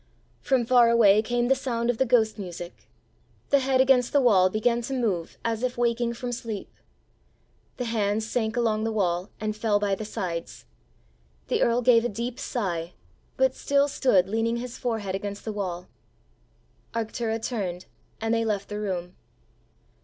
From far away came the sound of the ghost music. The head against the wall began to move as if waking from sleep. The hands sank along the wall and fell by the sides. The earl gave a deep sigh, but still stood leaning his forehead against the wall. Arctura turned, and they left the room.